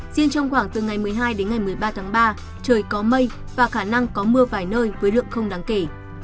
riêng trong khoảng từ ngày một mươi hai đến ngày một mươi ba tháng ba trời có mây và khả năng có mưa vài nơi với lượng không đáng kể